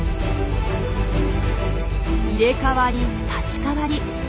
入れ代わり立ち代わり。